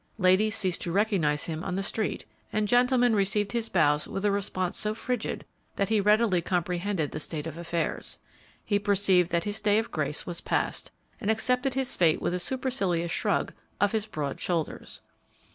Ladies ceased to recognise him on the street, and gentlemen received his bows with a response so frigid that he readily comprehended the state of affairs. He perceived that his day of grace was past, and accepted his fate with a supercilious shrug of his broad shoulders.